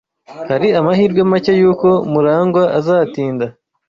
Hari amahirwe make yuko Murangwa azatinda.